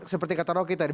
seperti kata rocky tadi